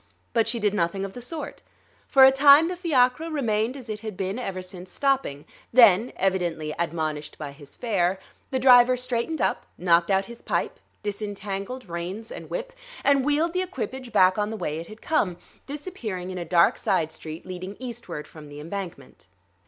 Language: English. But she did nothing of the sort. For a time the fiacre remained as it had been ever since stopping; then, evidently admonished by his fare, the driver straightened up, knocked out his pipe, disentangled reins and whip, and wheeled the equipage back on the way it had come, disappearing in a dark side street leading eastward from the embankment.